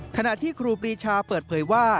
ขณะที่ครูปรีชาเปิดเผยว่า